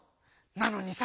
なのにさ